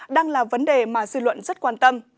đang là vấn đề mà dư luận rất quan tâm